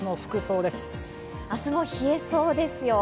明日も冷えそうですよ。